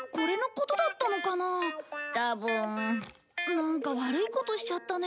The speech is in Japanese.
なんか悪いことしちゃったね。